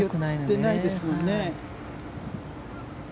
寄ってないですもんね。